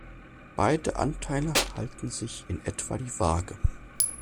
Beide Anteile halten sich in etwa die Waage.